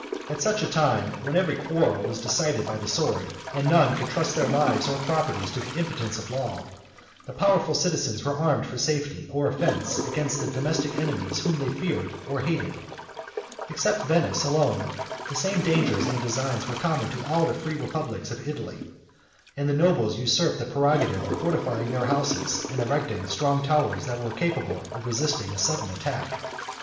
At such a time, when every quarrel was decided by the sword, and none could trust their lives or properties to the impotence of law, the powerful citizens were armed for safety, or offence, against the domestic enemies whom they feared or hated. Except Venice alone, the same dangers and designs were common to all the free republics of Italy; and the nobles usurped the prerogative of fortifying their houses, and erecting strong towers, 39 that were capable of resisting a sudden attack.